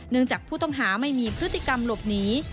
จากผู้ต้องหาไม่มีพฤติกรรมหลบหนี